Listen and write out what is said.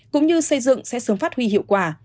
cũng như xây dựng sẽ sớm phát huy hiệu quả